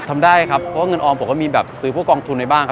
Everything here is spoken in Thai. ทำได้ครับเพราะเงินออมผมเสื้อกับผู้กองทุนไหนบ้าง